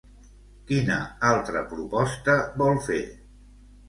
Quina altra proposta vol fer?